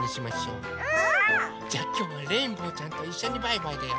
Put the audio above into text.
うん！じゃきょうはレインボーちゃんといっしょにバイバイだよ。